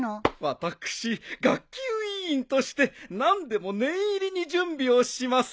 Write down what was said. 私学級委員として何でも念入りに準備をします。